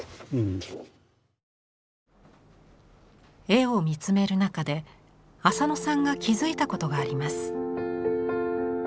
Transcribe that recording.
絵を見つめる中で浅野さんが気付いたことがあります。